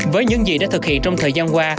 với những gì đã thực hiện trong thời gian qua